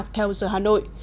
theo giờ hà nội